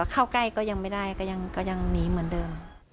เข้าใกล้ก็ยังไม่ได้ก็ยังหนีเหมือนเดิม